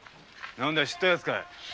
知ったやつかい？